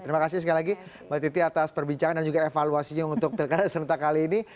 terima kasih sekali lagi mbak titi atas perbincangan dan juga evaluasinya untuk pilkada serentak kali ini